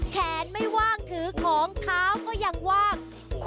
แขนไม่ว่างถือของเท้าก็ยังว่าง